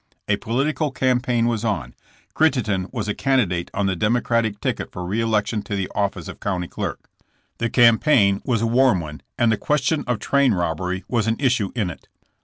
A political campaign was on. Crittenden wa« a candidate on the democratic ticket for r« eleetion to tke office of county clerk. The campaign was a 188 JKSSS JAMKS. warm one and the question of train robbery was an issue in it.